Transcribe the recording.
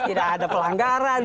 tidak ada pelanggaran